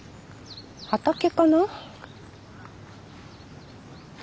畑かな？